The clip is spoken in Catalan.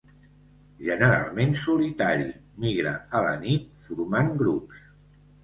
Generalment solitari, migra a la nit formant grups.